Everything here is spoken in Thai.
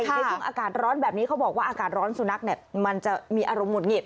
ในช่วงอากาศร้อนแบบนี้เขาบอกว่าอากาศร้อนสุนัขเนี่ยมันจะมีอารมณ์หุดหงิด